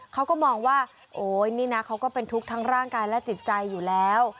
เขาก็มองว่าโอ๊ยนี่นะเขาก็เป็นทุกข์ทั้งร่างกายและจิตใจอยู่แล้ว